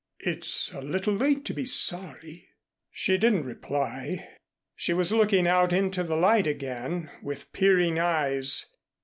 "It's a little late to be sorry." She didn't reply. She was looking out into the light again with peering eyes.